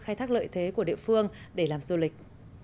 các lợi thế của địa phương để làm du lịch